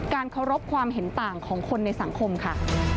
เคารพความเห็นต่างของคนในสังคมค่ะ